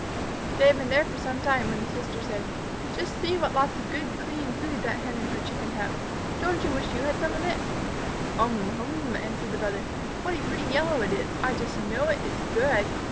They had been there for some time, when the sister said, "Just see what lots of good, clean food that Hen and her Chickens have. Don't you wish you had some of it?" "Um hum!" answered the brother. "What a pretty yellow it is. I just know it is good!"